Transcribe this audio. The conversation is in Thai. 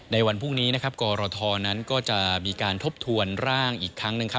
ในวันพรุ่งนี้กรทนั้นก็จะมีการทบทวนร่างอีกครั้งหนึ่ง